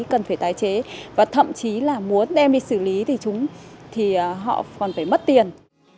cần phải tái chế và thậm chí là muốn đem đi xử lý thì họ còn phải mất tiền